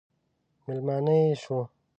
مېلمانه یې شو.